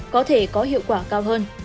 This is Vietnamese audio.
có thể có hiệu quả cao hơn